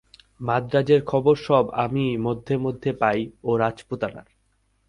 মান্দ্রাজের খবর সব আমি মধ্যে মধ্যে পাই ও রাজপুতানার।